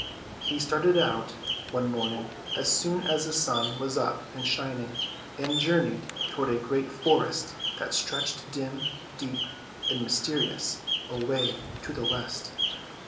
He started out one morning so soon as the sun was up and shining, and journeyed toward a great forest that stretched dim, deep, and mysterious away to the 44 THE WIZARD'S PALACE. 45 west.